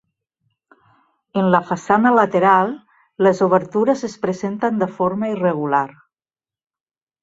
En la façana lateral, les obertures es presenten de forma irregular.